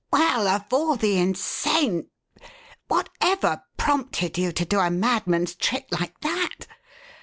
"Well, of all the insane Whatever prompted you to do a madman's trick like that?